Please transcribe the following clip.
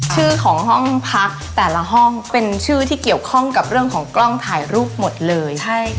ชื่อของห้องพักแต่ละห้องเป็นชื่อที่เกี่ยวข้องกับเรื่องของกล้องถ่ายรูปหมดเลย